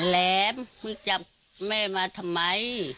แหลมมึงจับแม่มาทำไม